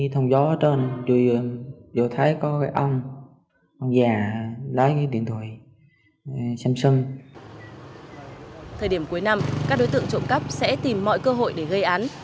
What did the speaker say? thời điểm cuối năm các đối tượng trộm cắp sẽ tìm mọi cơ hội để gây án